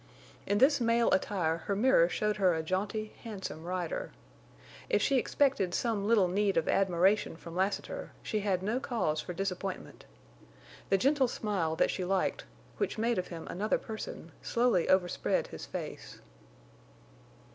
In this male attire her mirror showed her a jaunty, handsome rider. If she expected some little need of admiration from Lassiter, she had no cause for disappointment. The gentle smile that she liked, which made of him another person, slowly overspread his face.